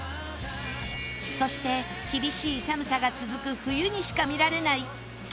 そして厳しい寒さが続く冬にしか見られない激